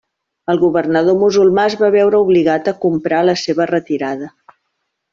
El governador musulmà es va veure obligat a comprar la seva retirada.